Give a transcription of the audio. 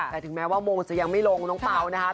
แต่ถึงแม้ว่ามงจะยังไม่ลงน้องเปล่านะครับ